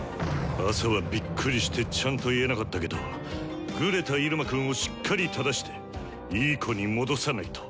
朝はびっくりしてちゃんと言えなかったけどグレた入間くんをしっかり正していい子に戻さないと。